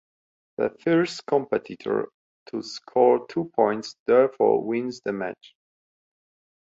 The first competitor to score two points, therefore wins the match.